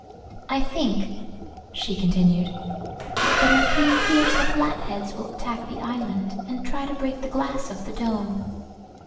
I think," she continued, "that our Queen fears the Flatheads will attack the island and try to break the glass of the dome."